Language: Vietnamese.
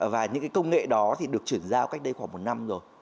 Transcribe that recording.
và những cái công nghệ đó thì được chuyển giao cách đây khoảng một năm rồi